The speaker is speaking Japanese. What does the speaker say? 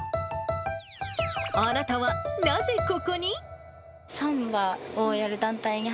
あなたはなぜここに？